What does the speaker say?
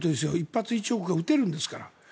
１発１億円が撃てるんですから。